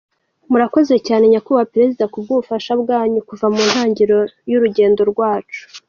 Murakoze cyane Nyakubahwa Perezida ku bw’ubufasha bwanyu kuva ku ntangiriro y’urugendo rwacu.